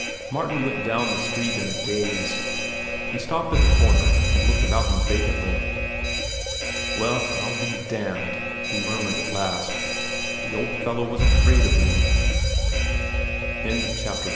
Martin went down the street in a daze. He stopped at the corner and looked about him vacantly. "Well, I'll be damned!" he murmured at last. "The old fellow was afraid of me." CHAPTER XLV.